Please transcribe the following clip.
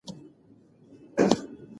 موږ باید د خپلو کلتوري ویاړونو ساتنه وکړو.